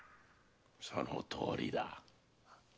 そのとおりだ。